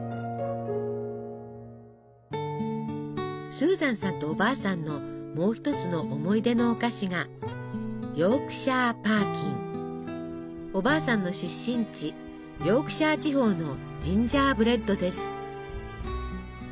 スーザンさんとおばあさんのもう一つの思い出のお菓子がおばあさんの出身地ヨークシャー地方のジンジャーブレッドです。